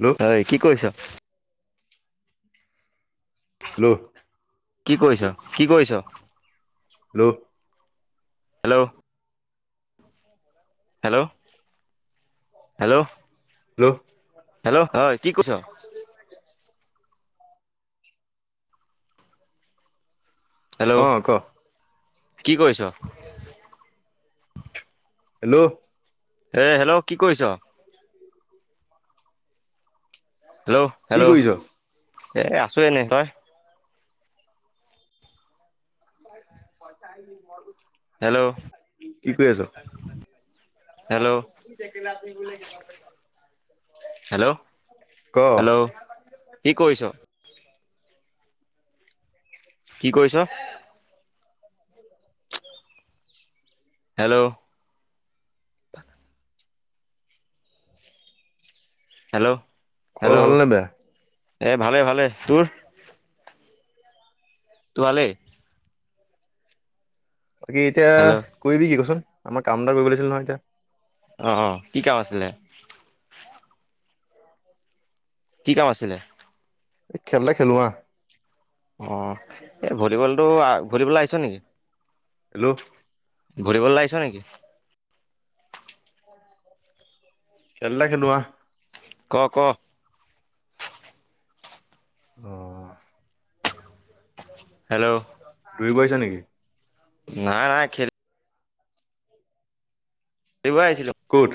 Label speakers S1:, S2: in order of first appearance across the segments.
S1: Hello
S2: ঐ কি কৰিছ?
S1: হেল্ল'?
S2: কি কৰিছ? কি কৰিছ?
S1: Hello?
S2: Hello? Hello? Hello?
S1: Hello?
S2: Hello? হয়। কি কৰিছ
S1: [inaudible]
S2: হেল্ল'
S1: অ' ক।
S2: কি কৰিছ?
S1: হেল্ল'?
S2: এ হেল্ল'? কি কৰিছ? হেল্ল' -
S1: কি
S2: হেল্ল'?
S1: কৰিছ?
S2: এ আছোঁ এনে। তই?
S1: কি
S2: হেল্ল'
S1: কৰি
S2: হেল্ল'
S1: আছ? [unintelligible]
S2: হেল্ল'?
S1: ক
S2: হেল্ল'? কি কৰিছ? কি কৰিছ?
S1: উ
S2: হেল্ল'? হেল্ল'?
S1: খোৱা
S2: হেল্ল'
S1: ভালনে বেয়া?
S2: এ ভালে - ভালে। তোৰ? তোৱালি?
S1: বাকী এতিয়া
S2: হেল্ল'
S1: কৰিবি কি কচোন? আমাৰ কাম এটা কৰিব লাগিছিল নহয় এতিয়া।
S2: অ' - অ'। কি কাম আছিলে? কি কাম আছিলে?
S1: এই খেল এটা খেলো আহ।
S2: অ'। এই ভলীবলটো আ- ভলীবল আহিছ নেকি?
S1: হেল্ল'
S2: ঘূৰিব লাগিছ নেকি?
S1: খেল এটা খেলো আহ।
S2: ক ক
S1: আহ
S2: হেল্ল'
S1: দৰিব আহিছা নেকি?
S2: নাই নাই খেল খেলিব আহিছিলো।
S1: ক'ত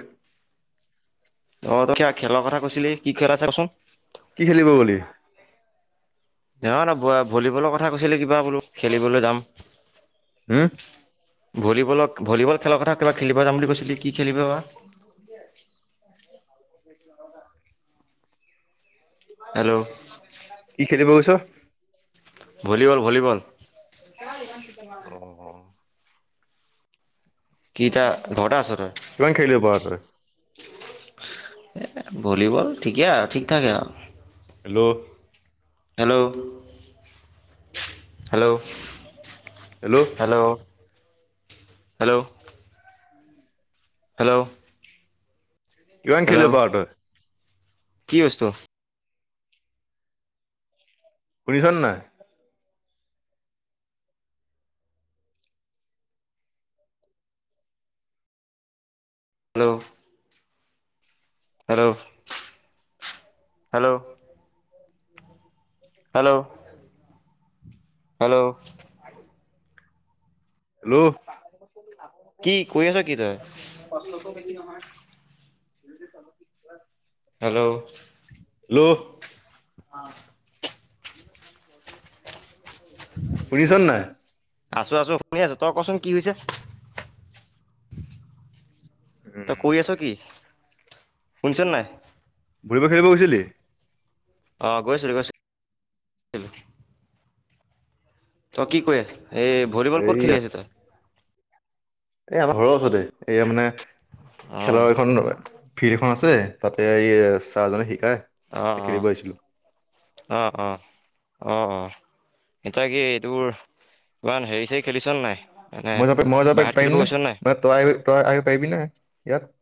S2: অ ত কিয় খেলৰ কথা কৈছিলি কি খেল আছে কচোন?
S1: কি খেলিব বুলি?
S2: নহয় ন ভলীবলৰ কথা কৈছিলে কিবা বোলো খেলিবলৈ যাম।
S1: হম
S2: ভলীবলক ভলীবল খেলৰ কথা কিবা খেলিব যাম বুলি কৈছিলি কি? খেলিবা
S1: [inaudible]
S2: হেল্ল'
S1: কি খেলিব গৈছ?
S2: ভলীবল ভলীবল
S1: অ
S2: কি এতিয়া ঘৰতে আছ তই
S1: কিমান খেলিৱ পাৰ তই
S2: ভলীবল ঠিকেই আৰু ঠিক ঠাক আৰু
S1: hello
S2: hello hello hello hello hello
S1: কিমান
S2: হেল্ল'
S1: খেলিব পাৰ তই
S2: কি বস্তু
S1: শুনিছ নাই।
S2: Hello hello hello hello hello
S1: [inaudible] hello
S2: কি কৰি আছ কি তই
S1: [inaudible]
S2: হেল্ল'
S1: হেল্ল' [inaudible] শুনিচ নাই
S2: আছো আছো শুনি আছো তই কচোন কি হৈছে। তই
S1: উম
S2: কৰি আছ কি শুনিছ নাই
S1: ভলিবল খেলিব গৈছিলি।
S2: আহ গৈছিলো গৈছিলো। তই কি কৈ আছ এই
S1: অ
S2: ভলীবল কত
S1: হেৰি
S2: খেলি আছ তই
S1: এই আমাৰ ঘৰৰ ওচতে এয়া মানে
S2: অ',
S1: খেলৰ এখন ফিল্ড এখন আছে তাতে এই চাৰ জনে
S2: অহ অ অহ অহ অ অ এটা এইটো
S1: মই যাব মই যাব
S2: বাহিৰত খেলিব
S1: পাৰিম নে
S2: গৈছ নাই?
S1: নহ তই আহি তই আহিব পাৰিবি ন ইয়াত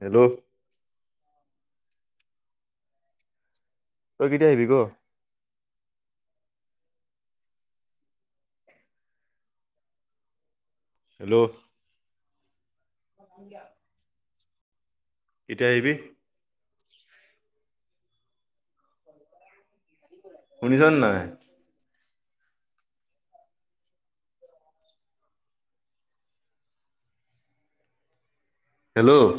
S1: হেল্ল' তই কেতিয়া আহিবি ক হেল্ল' [unintelligible] এতিয়া আহিবি শুনিছ নাই হেল্ল'